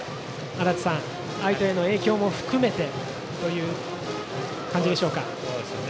足達さん、相手への影響も含めてという感じでしょうか。